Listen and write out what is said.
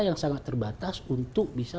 yang sangat terbatas untuk bisa